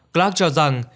clark cho rằng